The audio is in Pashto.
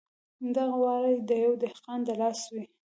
دغه واړه د یوه دهقان د لاس وې.